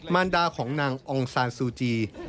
มารดาของนางองซานซูจี